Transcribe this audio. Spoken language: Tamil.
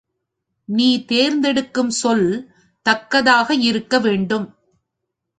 நீ தேர்ந்து எடுக்கும் சொல் தக்கதாக இருக்க வேண்டும்.